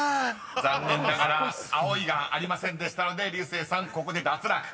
［残念ながら「青い」がありませんでしたので竜星さんここで脱落］